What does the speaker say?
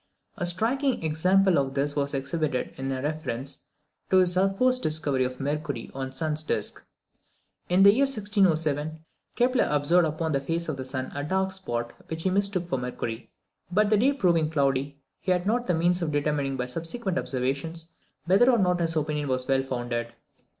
A striking example of this was exhibited in reference to his supposed discovery of Mercury on the sun's disc. In the year 1607, Kepler observed upon the face of the sun a dark spot, which he mistook for Mercury; but the day proving cloudy, he had not the means of determining by subsequent observations whether or not this opinion was well founded.